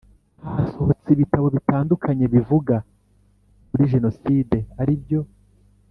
Hasohotse ibitabo bitandukanye bivuga kuri Jenoside aribyo